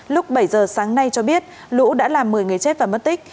lúc bảy giờ sáng nay cho biết lũ đã làm một mươi người chết và mất tích